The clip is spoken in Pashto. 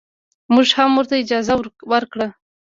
موږ هم ورته اجازه ورکړه.